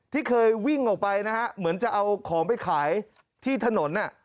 ที่เคยวิ่งออกไปนะฮะเหมือนจะเอาของไปขายที่ถนน